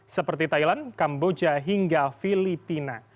seperti thailand kamboja hingga filipina